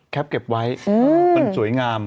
เก็บไว้มันสวยงาม